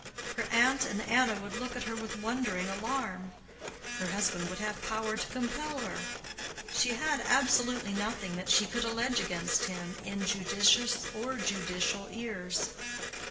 Her aunt and Anna would look at her with wondering alarm. Her husband would have power to compel her. She had absolutely nothing that she could allege against him in judicious or judicial ears.